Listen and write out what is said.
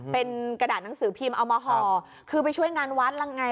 เป็นกระดาษหนังสือพิมพ์เอามาห่อคือไปช่วยงานวัดแล้วไง